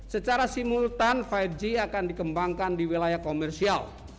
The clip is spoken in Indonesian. secara simultan lima g akan dikembangkan di wilayah komersial